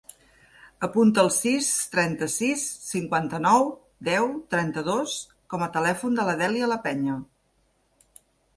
Apunta el sis, trenta-sis, cinquanta-nou, deu, trenta-dos com a telèfon de la Dèlia Lapeña.